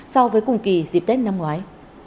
so với cùng kỳ dịp tết năm ngoái